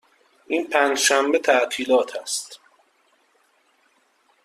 این پنج شنبه تعطیلات است.